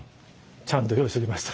ちゃんと用意しときました。